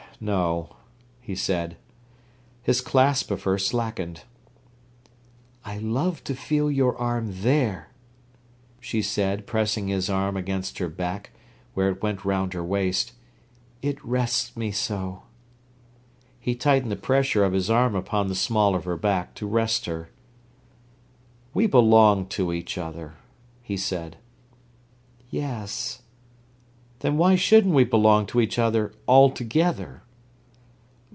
"No," he said. His clasp of her slackened. "I love to feel your arm there!" she said, pressing his arm against her back, where it went round her waist. "It rests me so." He tightened the pressure of his arm upon the small of her back to rest her. "We belong to each other," he said. "Yes." "Then why shouldn't we belong to each other altogether?"